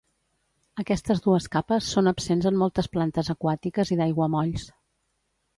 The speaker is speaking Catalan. Aquestes dues capes són absents en moltes plantes aquàtiques i d'aiguamolls.